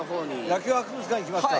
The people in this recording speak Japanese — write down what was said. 野球博物館行きますか。